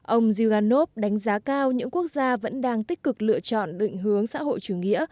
ông zyuganov đánh giá cao những quốc gia vẫn đang tích cực lựa chọn định hướng xã hội chủ nghĩa